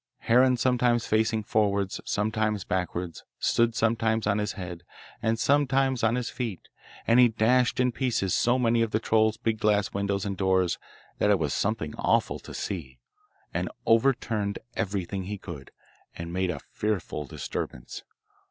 Heran sometimes facing forwards, sometimes backwards, stood sometimes on his head, and sometimes on his feet, and he dashed in pieces so many of the troll's big glass windows and doors that it was something awful to see, and overturned everything he could, and made a fearful disturbance.